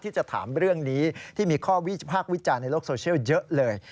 ที่จะถามเรื่องนี้ที่มีข้อวิพากษ์วิจารณ์ในโลกโซเชียลเยอะเลย